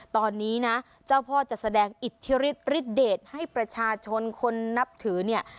ตอนนี้นะเจ้าพ่อจะแสดงอิทธิฤทธฤทธเดชให้ประชาชนคนนับถือเนี่ย